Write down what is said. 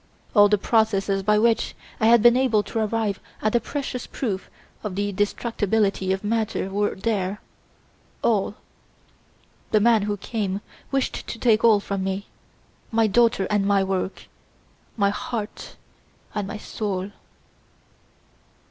All the processes by which I had been able to arrive at the precious proof of the destructibility of matter were there all. The man who came wished to take all from me, my daughter and my work my heart and my soul."